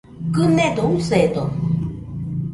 Kɨnedo, usedo